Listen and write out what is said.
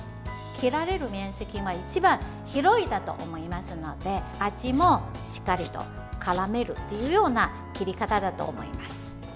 切られる面積一番広いかと思いますので味もしっかりとからめるというような切り方だと思います。